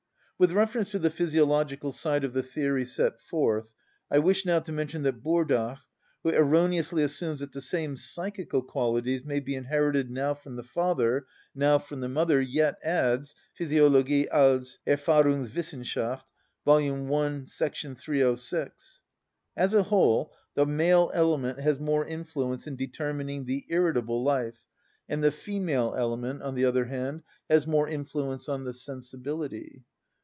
With reference to the physiological side of the theory set forth, I wish now to mention that Burdach, who erroneously assumes that the same psychical qualities may be inherited now from the father, now from the mother, yet adds (Physiologie als Erfahrungswissenschaft, vol. i. § 306): "As a whole, the male element has more influence in determining the irritable life, and the female element, on the other hand, has more influence on the sensibility."